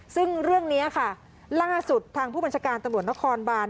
ซึ่งเรื่องนี้ค่ะล่าสุดทางผู้บัญชาการตำรวจนครบาน